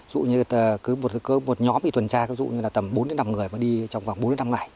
dù như có một nhóm bị tuần tra dù như tầm bốn năm người đi trong khoảng bốn năm ngày